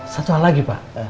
satu hal lagi pak